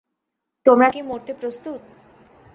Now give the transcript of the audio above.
তোমরা কি মরতে প্রস্তুত?